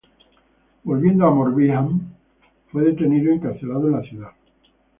Volviendo a Morbihan, fue detenido y encarcelado en la ciudad.